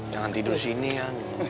jangan tidur sini ya